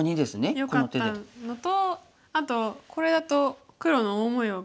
よかったのとあとこれだと黒の大模様が。